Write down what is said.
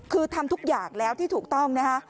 คือทำทุกอย่างแล้วที่ถูกต้องนะฮะ